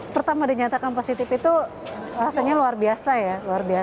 pertama dinyatakan positif itu rasanya luar biasa ya